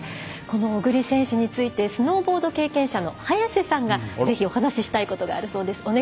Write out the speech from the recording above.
小栗選手についてスノーボード経験者の早瀬さんがぜひお話したいことがあるそうです。